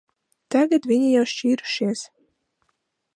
Tagad viņi jau šķīrušies.